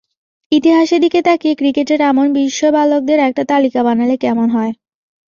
ইতিহাসের দিকে তাকিয়ে ক্রিকেটের এমন বিস্ময় বালকদের একটা তালিকা বানালে কেমন হয়।